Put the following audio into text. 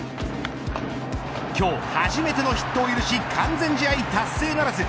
今日初めてのヒットを許し完全試合達成ならず。